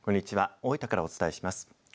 大分からお伝えします。